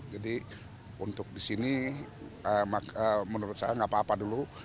untuk di sini menurut saya nggak apa apa dulu